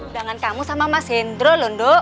jangan kamu sama mas hendro lho ndo